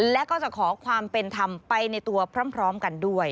และก็จะขอความเป็นธรรมไปในตัวพร้อมกันด้วย